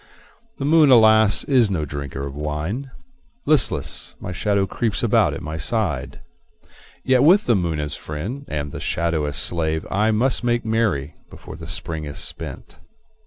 The moon, alas, is no drinker of wine; Listless, my shadow creeps about at my side. Yet with the moon as friend and the shadow as slave I must make merry before the Spring is spent.